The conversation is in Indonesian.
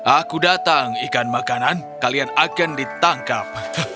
aku datang ikan makanan kalian akan ditangkap